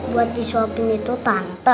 buat disuapin itu tante